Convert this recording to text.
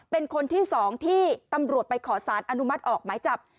เป็นคนที่๒ที่ตำรวจไปขอสารอนุมัติออกหมายจับ